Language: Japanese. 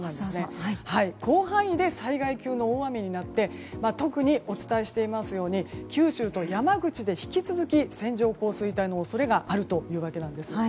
広範囲で災害級の大雨になって特にお伝えしていますように九州と山口で引き続き線状降水帯の恐れがあるというわけなんです。